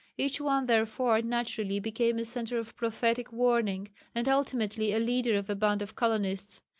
Each one, therefore, naturally became a centre of prophetic warning, and ultimately a leader of a band of colonists.